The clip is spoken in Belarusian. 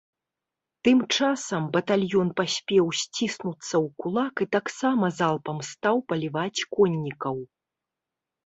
Тым часам батальён паспеў сціснуцца ў кулак і таксама залпам стаў паліваць коннікаў.